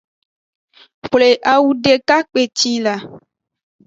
Xwle awu deka kpeci la.